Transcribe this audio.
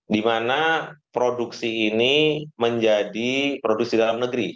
di mana produksi ini menjadi produksi dalam negeri